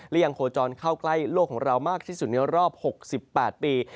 และยังโคจรเข้าใกล้โลกของเรามากที่สุดในรอบ๖๘ปี